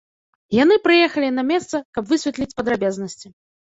Яны прыехалі на месца, каб высветліць падрабязнасці.